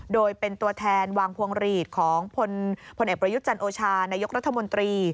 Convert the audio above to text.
โดยเป็นตัวแทนวางพวงหลีดของพลเอกประยุทธ์จันโอชานายกรัฐมนตรี